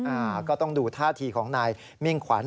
อ่าก็ต้องดูท่าทีของนายมิ่งขวัญ